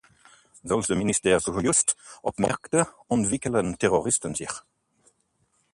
Zoals de minister zojuist opmerkte, ontwikkelen terroristen zich.